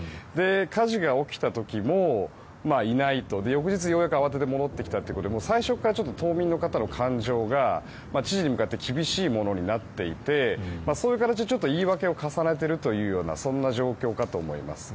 火事が起きた時もいないと翌日慌てて戻ってきたということで最初から島民の方の感情が知事に向かって厳しいものになっていてそういう形で言い訳を重ねているというようなそんな状況かと思います。